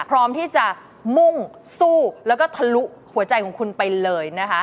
พร้อมที่จะมุ่งสู้แล้วก็ทะลุหัวใจของคุณไปเลยนะคะ